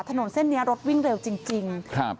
ถนนเส้นนี้รถวิ่งเร็วจริงจริงครับ